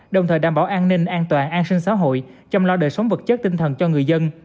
đồng thời đảm bảo an ninh an toàn an sinh xã hội chăm lo đời sống vật chất tinh thần cho người dân